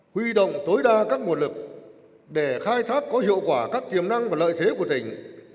huy động tối đa các nguồn lực để khai thác có hiệu quả các tiềm năng và lợi thế của tỉnh